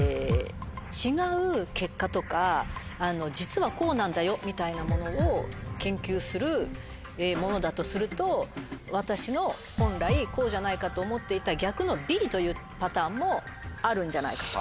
「実はこうなんだよ」みたいなものを研究するものだとすると私の本来こうじゃないかと思っていた逆のＢというパターンもあるんじゃないかと。